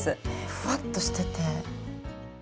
ふわっとしてて。